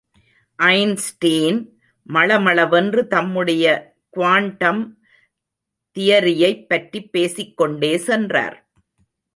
Einstein மளமளவென்று தம்முடைய quantum தியரியைப் பற்றிப் பேசிக்கொண்டே சென்றார்.